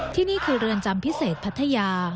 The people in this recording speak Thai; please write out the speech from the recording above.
ที่นี่คือเรือนจำพิเศษพัทยา